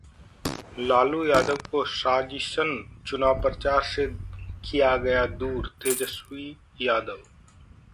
लालू यादव को साजिशन चुनाव प्रचार से किया गया दूर: तेजस्वी यादव